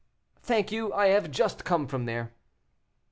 "Thank you, I have just come from there."